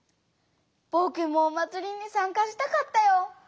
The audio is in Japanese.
ぼくもお祭りにさんかしたかったよ！